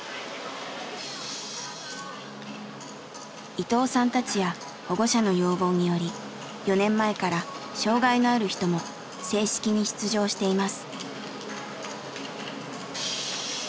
伊藤さんたちや保護者の要望により４年前から障害のある人も正式に出場しています。